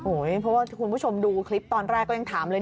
เพราะว่าคุณผู้ชมดูคลิปตอนแรกก็ยังถามเลย